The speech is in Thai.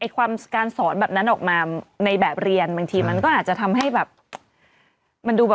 ความการสอนแบบนั้นออกมาในแบบเรียนบางทีมันก็อาจจะทำให้แบบมันดูแบบ